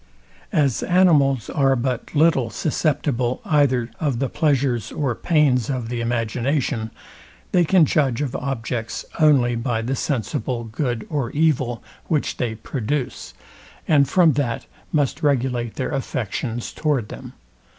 As animals are but little susceptible either of the pleasures or pains of the imagination, they can judge of objects only by the sensible good or evil, which they produce, and from that must regulate their affections towards them.